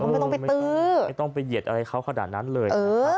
ไม่ต้องไปตื้อไม่ต้องไปเหยียดอะไรเขาขนาดนั้นเลยนะครับ